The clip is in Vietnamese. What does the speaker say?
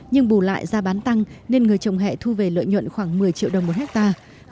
nhưng bù lại gia bán tăng nên người trồng hẹ thu về lợi nhuận khoảng một mươi triệu đồng một hectare